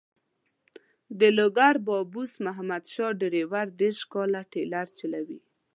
د لوګر بابوس محمد شاه ډریور دېرش کاله ټریلر چلوي.